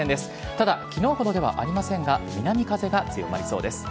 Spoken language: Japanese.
ただ、昨日ほどではありませんが南風が強まりそうです。